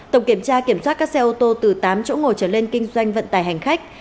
tổng kiểm tra kiểm soát các xe ô tô từ tám chỗ ngồi trở lên kinh doanh vận tải hành khách